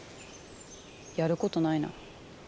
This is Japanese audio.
やることないな。